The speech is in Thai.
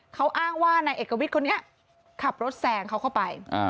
เขาอ้างว่านายเอกวิทย์คนนี้ขับรถแซงเขาเข้าไป